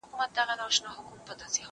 نه درک مي د مالونو نه دوکان سته